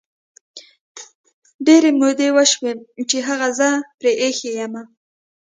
ډیري مودې وشوی چې هغه زه پری ایښي یمه